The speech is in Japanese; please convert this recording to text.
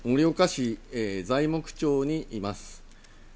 盛岡市材木町にいます。